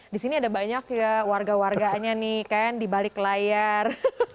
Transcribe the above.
di sini ada banyak ya warga warganya nih kan di balik layar